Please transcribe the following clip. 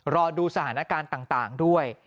รอดูสถานการณ์ต่างด้วย